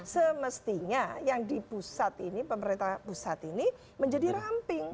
semestinya yang di pusat ini pemerintah pusat ini menjadi ramping